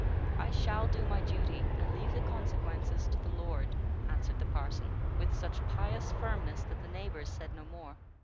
I shall do my duty, and leave the consequences to the Lord," answered the parson, with such pious firmness that the neighbors said no more.